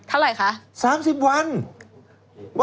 เท่าไหร่คะ